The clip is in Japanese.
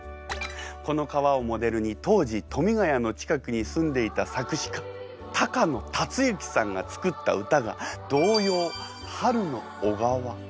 この川をモデルに当時富ヶ谷の近くに住んでいた作詞家高野辰之さんが作った歌が童謡「春の小川」。